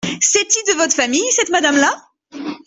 C’est-y de votre famile, cette madame-là ?